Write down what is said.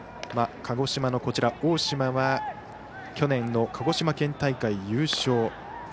鹿児島の大島は去年の鹿児島県大会優勝。